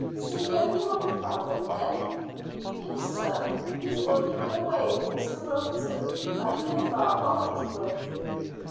See anything of your father, Ned?" "Yes, sir; he's working away with Mr Wilton up in the far orange grove."